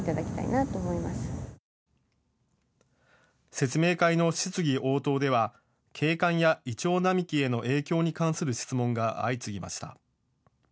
説明会の質疑応答では景観やイチョウ並木への影響に関する質問が相次ぎました。